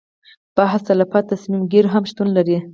بحث طلبه تصمیم ګیري هم شتون لري.